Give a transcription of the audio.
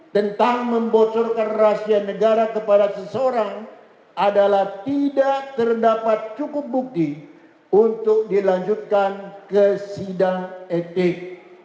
tentang membocorkan rahasia negara kepada seseorang adalah tidak terdapat cukup bukti untuk dilanjutkan ke sidang etik